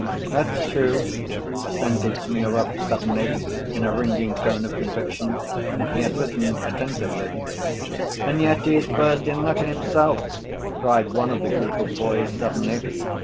"That's true," assented Smurov suddenly, in a ringing tone of conviction. He had listened attentively. "And yet he is first in Latin himself," cried one of the group of boys suddenly.